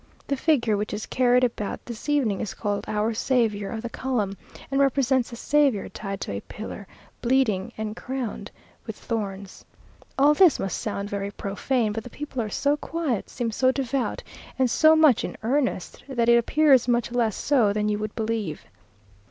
The figure which is carried about this evening is called "Our Saviour of the Column," and represents the Saviour tied to a pillar, bleeding, and crowned with thorns. All this must sound very profane, but the people are so quiet, seem so devout, and so much in earnest, that it appears much less so than you would believe....